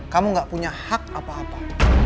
kamu gak punya hak apa apa